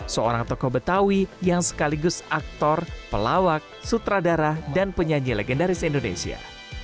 seorang tokoh betawi yang sekaligus aktor pelawak sutradara dan penyanyi legendaris indonesia